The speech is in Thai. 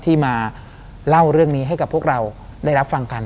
ที่มาเล่าเรื่องนี้ให้กับพวกเราได้รับฟังกัน